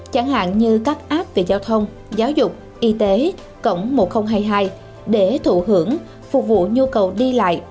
chẳng hạn như các app về giao thông giáo dục y tế cổng một nghìn hai mươi hai để thụ hưởng phục vụ nhu cầu đi lại